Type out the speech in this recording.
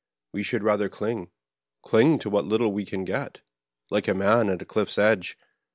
We should rather cling, cling to what little we can get, like a man at a cliff's edge.